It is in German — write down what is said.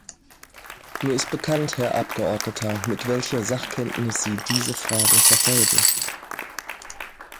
Mir ist bekannt, Herr Abgeordneter, mit welcher Sachkenntnis Sie diese Fragen verfolgen.